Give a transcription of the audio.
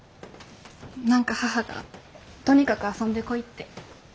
何か母がとにかく遊んでこいって。